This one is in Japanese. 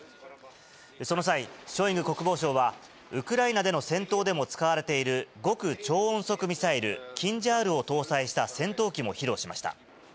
その際、ショイグ国防相は、ウクライナでの戦闘でも使われている極超音速ミサイル、キンジャールを搭載した戦闘機も披露しました。